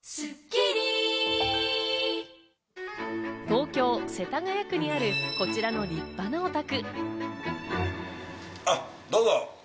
東京・世田谷区にある、こちらの立派なお宅。